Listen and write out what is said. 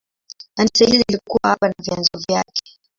Kanisa hili lilikuwa hapa na vyanzo vyake.